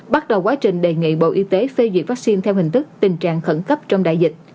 bắt đầu quá trình đề nghị bộ y tế phê diệt vaccine theo hình thức tình trạng khẩn cấp trong đại dịch